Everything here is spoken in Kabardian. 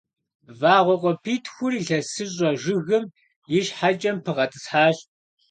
Вагъуэ къуапитхур илъэсыщӏэ жыгым и щхьэкӏэм пагъэтӏысхьащ.